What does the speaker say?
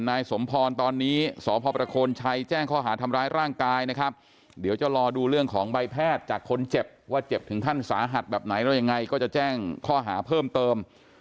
อันนี้ก็จะแจ้งข้อหาเพิ่มเติม